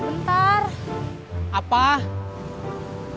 bener lagiurikan kamu